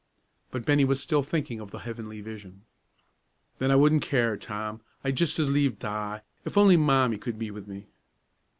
But Bennie was still thinking of the heavenly vision. "Then I wouldn't care, Tom; I'd just as lieve die if only Mommie could be with me."